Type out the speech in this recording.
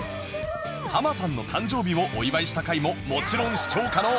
ハマさんの誕生日をお祝いした回ももちろん視聴可能